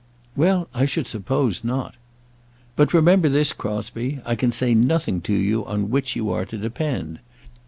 "Well, I should suppose not." "But remember this, Crosbie, I can say nothing to you on which you are to depend.